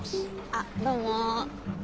あどうも。